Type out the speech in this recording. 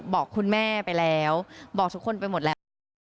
บอกคุณแม่ไปแล้วบอกทุกคนไปหมดแล้วว่า